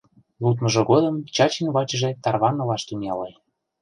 Лудмыжо годым Чачин вачыже тарванылаш тӱҥале.